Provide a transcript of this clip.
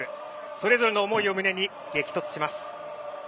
それぞれの思いを胸に激突します。